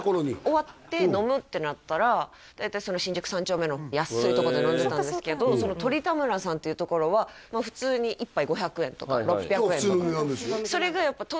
終わって飲むってなったら大体その新宿三丁目の安いとこで飲んでたんですけどその鳥田むらさんっていうところは普通に１杯５００円とか６００円とか普通の値段ですよ